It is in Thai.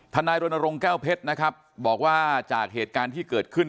นายรณรงค์แก้วเพชรนะครับบอกว่าจากเหตุการณ์ที่เกิดขึ้น